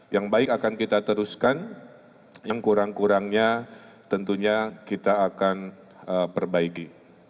yang baik akan kita teruskan yang kurang kurangnya tentunya kita akan perbaiki